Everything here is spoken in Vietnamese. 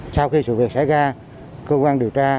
sau khi sự việc xảy ra cơ quan điều tra